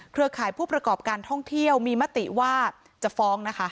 ข่ายผู้ประกอบการท่องเที่ยวมีมติว่าจะฟ้องนะคะ